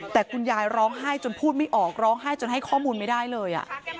แต่คุณยายร้องไห้จนพูดไม่ออกร้องไห้จนให้ข้อมูลไม่ได้เลย